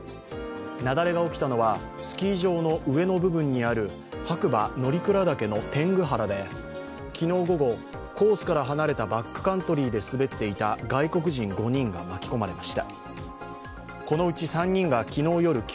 雪崩が起きたのはスキー場の上の部分にある白馬乗鞍岳の天狗原で昨日午後、コースから離れたバックカントリーで滑っていた外国人５人が巻き込まれました。